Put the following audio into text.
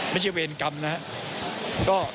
ไม่ใช่เวรกรรมนะ